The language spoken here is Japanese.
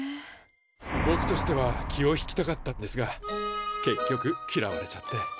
ぼくとしては気を引きたかったんですが結局きらわれちゃって。